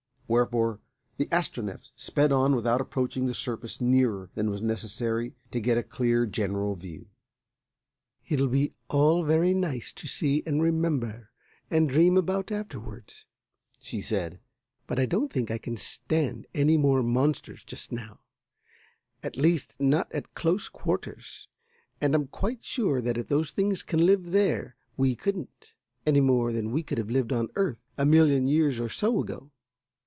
Wherefore the Astronef sped on without approaching the surface nearer than was necessary to get a clear general view. "It'll be all very nice to see and remember and dream about afterwards," she said, "but I don't think I can stand any more monsters just now, at least not at close quarters, and I'm quite sure that if those things can live there we couldn't, any more than we could have lived on Earth a million years or so ago.